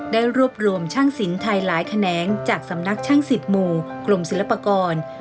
ได้รวบรวมช่างสินไทยหลายแขนงจากสำนักช่างสิบหมู่กรมศิลปากร